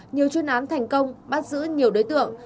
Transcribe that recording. nhiều chuyên án thành công bắt giữ nhiều đối tượng